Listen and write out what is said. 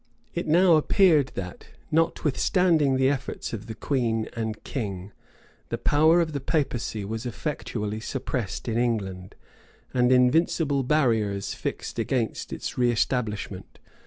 It now appeared that, notwithstanding the efforts of the queen and king, the power of the papacy was effectually suppressed in England, and invincible barriers fixed against its reëstablishment.